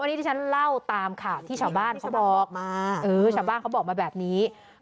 เพราะวันนี้ที่ฉันเล่าตามค่ะที่ชาวบ้านเขาบอกมาแบบนี้